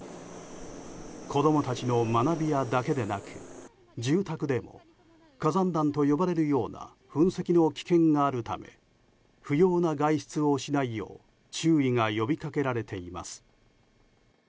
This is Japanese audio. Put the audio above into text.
子供たちの学び舎だけでなく住宅でも火山弾と呼ばれるような噴石の危険があるため不要な外出をしないよう注意が呼びかけられています。